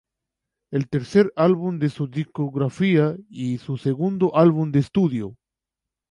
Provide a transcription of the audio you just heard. Es el tercer álbum de su discografía, y su segundo álbum de estudio.